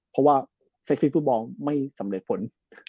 เพราะว่าเซฟซีฟุตบอลไม่สำเร็จผล